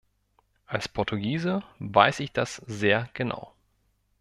Als Portugiese weiß ich das sehr genau.